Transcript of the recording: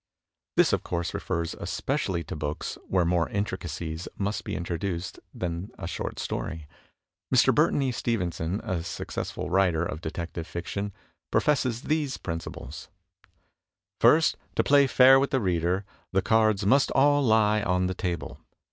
This of course refers especially to books, where more intricacies must be introduced than in a short story. Mr. Burton E. Stevenson, a successful writer of detective fiction, professes these principles: " First, to play fair with the reader, the cards must all lie on the table.